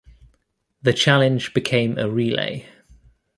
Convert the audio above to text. The challenge became a relay.